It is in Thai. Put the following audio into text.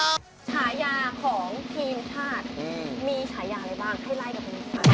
มีฉายาอะไรบ้างให้ไล่กับผม